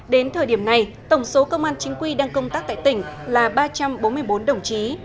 đến thời điểm này tổng số công an chính quy đang công tác tại tỉnh là ba trăm bốn mươi bốn đồng chí